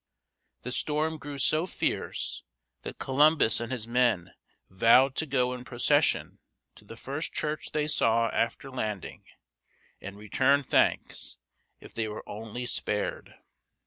The storm grew so fierce that Columbus and his men vowed to go in procession to the first church they saw after landing, and return thanks, if they were only spared.